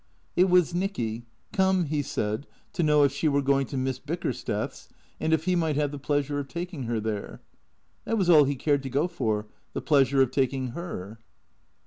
It was Nicky, come, he said, to know if she were going to Miss Bickersteth's, and if he might have the pleasure of taking her there. That was all he cared to go for, the pleasure of taking her.